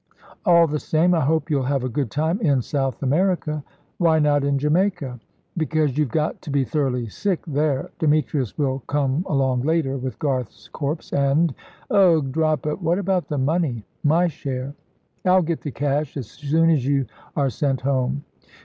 "All the same, I hope you'll have a good time in South America." "Why not in Jamaica?" "Because you've got to be thoroughly sick there. Demetrius will come along later with Garth's corpse, and " "Ugh! Drop it! What about the money my share?" "I'll get the cash, as soon as you are sent home."